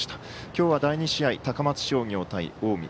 今日は第２試合高松商業対近江。